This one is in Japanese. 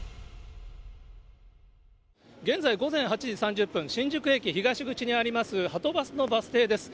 現在午前８時３０分、新宿駅東口にありますはとバスのバス停です。